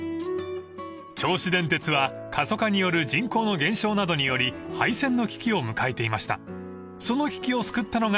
［銚子電鉄は過疎化による人口の減少などにより廃線の危機を迎えていました］